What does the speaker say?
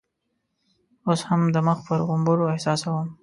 اوس هم د مخ پر غومبرو احساسوم.